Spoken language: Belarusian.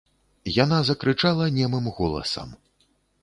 Яна закрычала немым голасам.